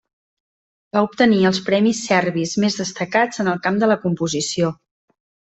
Va obtenir els premis serbis més destacats en el camp de la composició.